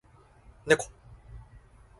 ねこ